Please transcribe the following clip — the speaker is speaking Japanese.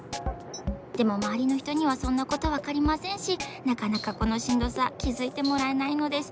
でもまわりのひとにはそんなことわかりませんしなかなかこのしんどさきづいてもらえないのです。